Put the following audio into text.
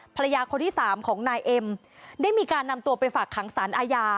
ภรรยาคนที่สามของนายเอ็มได้มีการนำตัวไปฝากขังสารอาญา